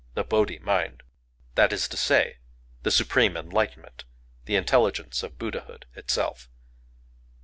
"the Bodhi mind;"—that is to say, the Supreme Enlightenment, the intelligence of Buddhahood itself.